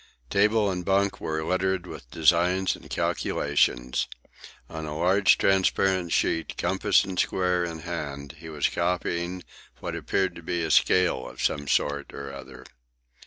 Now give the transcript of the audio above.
Table and bunk were littered with designs and calculations. On a large transparent sheet, compass and square in hand, he was copying what appeared to be a scale of some sort or other.